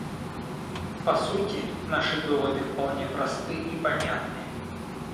По сути, наши доводы вполне просты и понятны.